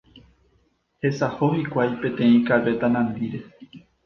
Hesaho hikuái peteĩ karréta nandíre.